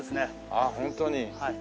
ああホントに。